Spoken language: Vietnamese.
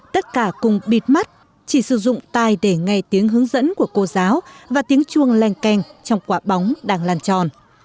tất cả cùng bịt mắt chỉ sử dụng tài để ngay tiếng hướng dẫn của cô giáo và tiếng chuông len keng trong quả bóng đang lan tròn